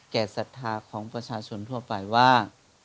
แก่ศัฒนาของประชาชนทั่วไปว่า